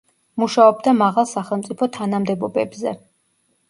მუშაობდა მაღალ სახელმწიფო თანამდებობებზე.